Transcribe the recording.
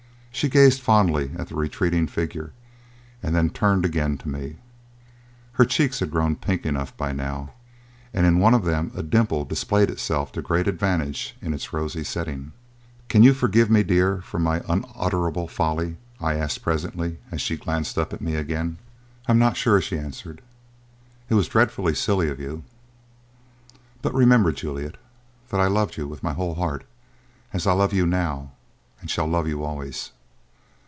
She gazed fondly at the retreating figure and then turned again to me. Her cheeks had grown pink enough by now, and in one of them a dimple displayed itself to great advantage in its rosy setting. "Can you forgive me, dear, for my unutterable folly?" I asked presently, as she glanced up at me again. "I am not sure," she answered. "It was dreadfully silly of you." "But remember, Juliet, that I loved you with my whole heart as I love you now and shall love you always."